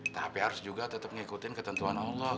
tapi harus juga tetep ngikutin ketentuan allah